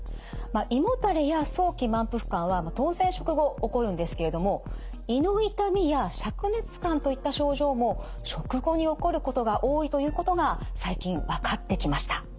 胃もたれや早期満腹感は当然食後起こるんですけれども胃の痛みやしゃく熱感といった症状も食後に起こることが多いということが最近分かってきました。